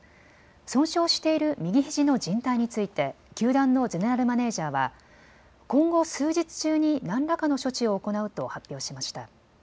損傷している右ひじのじん帯について球団のゼネラルマネージャーは今後、数日中に何らかの処置を行うと発表しました。